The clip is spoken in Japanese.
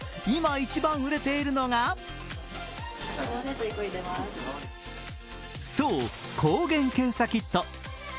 今一番売れているのがそう、抗原検査キット。